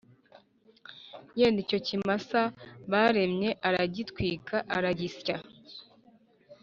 Yenda icyo kimasa baremye aragitwika aragisya